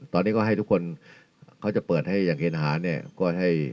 ตอนนี้ก็ให้ทุกคนเขาจะเปิดให้อย่างเคนอาหารเนี่ย